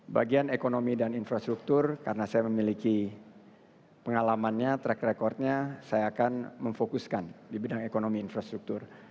bagian ekonomi dan infrastruktur karena saya memiliki pengalamannya track recordnya saya akan memfokuskan di bidang ekonomi infrastruktur